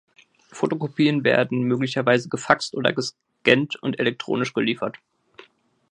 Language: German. Fotokopien werden möglicherweise gefaxt oder gescannt und elektronisch geliefert.